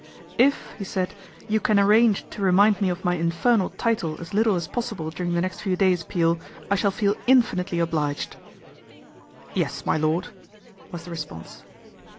" If," he said, " you can arrange to remind me of my infernal title as little as possible during the next few days, Peel, I shall feel infinitely obliged." " Yes, my lord," was the response.